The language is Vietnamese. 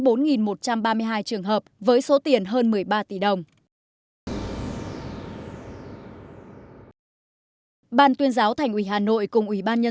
bốn một trăm ba mươi hai trường hợp với số tiền hơn một mươi ba tỷ đồng ban tuyên giáo thành ủy hà nội cùng ủy ban nhân